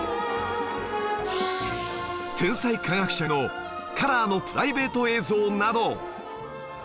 天才科学者のカラーのプライベート映像など